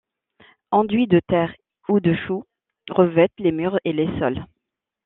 Enduits de terre ou de chaux revêtent les murs et les sols.